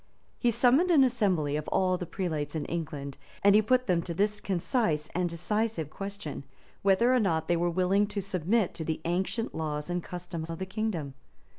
He summoned an assembly of all the prelates in England; and he put to them this concise and decisive question, whether or not they were willing to submit to the ancient laws and customs of the kingdom?